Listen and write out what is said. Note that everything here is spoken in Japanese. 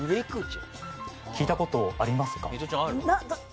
聞いたことありますか？